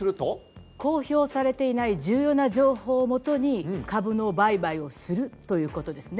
公表されていない重要な情報をもとに株の売買をするということですね。